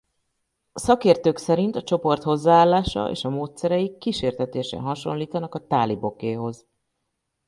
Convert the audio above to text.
Szakértők szerint a csoport hozzáállása és módszereik kísértetiesen hasonlítanak a tálibokéhoz.